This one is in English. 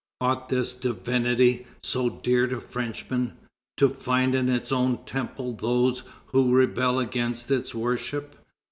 Ought this divinity, so dear to Frenchmen, to find in its own temple those who rebel against its worship?